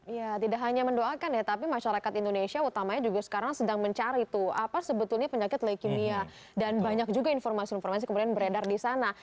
ya tidak hanya mendoakan ya tapi masyarakat indonesia utamanya juga sekarang sedang mencari tuh apa sebetulnya penyakit leukemia dan banyak juga informasi informasi kemudian beredar di sana